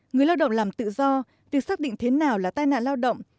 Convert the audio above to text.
người lao động làm tự do việc xác định thế nào là tai nạn lao động